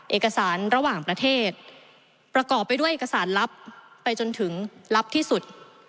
เอกสารระหว่างประเทศประกอบไปด้วยเอกสารลับไปจนถึงลับที่สุด